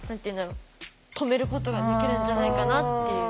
止めることができるんじゃないかなっていう。